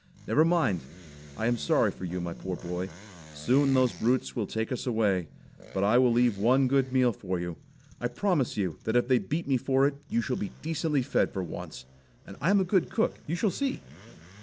"Never mind. I am sorry for you, my poor boy. Soon those brutes will take us away, but I will leave one good meal for you. I promise you that if they beat me for it you shall be decently fed for once. And I am a good cook; you shall see!"